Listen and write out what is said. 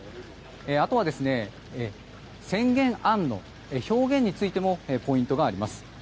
あとは、宣言案の表現についてもポイントがあります。